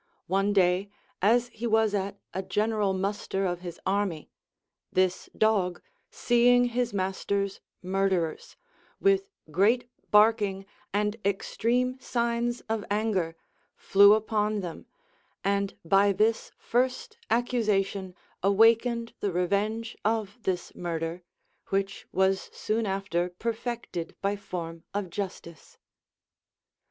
One day, as he was at a general muster of his army, this dog, seeing his master's murderers, with great barking and extreme signs of anger flew upon them, and by this first accusation awakened the revenge of this murder, which was soon after perfected by form of justice.